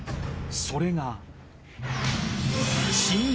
［それが］